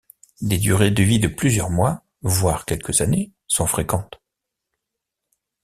Des durées de vie de plusieurs mois, voire quelques années, sont fréquentes.